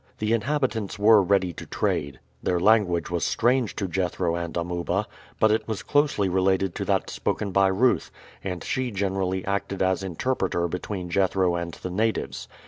The inhabitants were ready to trade. Their language was strange to Jethro and Amuba; but it was closely related to that spoken by Ruth, and she generally acted as interpreter between Jethro and the natives.